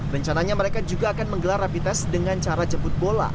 rencananya mereka juga akan menggelar rapi tes dengan cara jemput bola